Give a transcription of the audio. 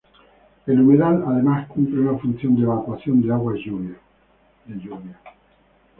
El humedal además cumple una función de evacuación de aguas lluvias.